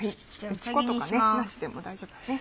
打ち粉とかなしでも大丈夫だね。